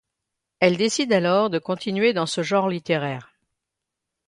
Elle décide alors de continuer dans ce genre littéraire.